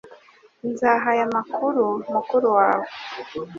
Nzaha aya makuru mukuru wawe